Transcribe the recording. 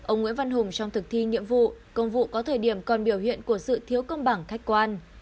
ông nguyễn văn hùng trong thực thi nhiệm vụ công vụ có thời điểm còn biểu hiện của sự thiếu công bằng khách quan